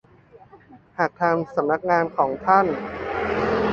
หากทางสำนักงานของท่าน